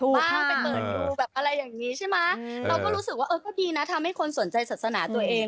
ก็เรารู้สึกว่าได้นะทำให้คนสนใจศาสนาตัวเอง